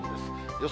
予想